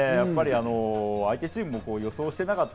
相手チームも予想してなかっ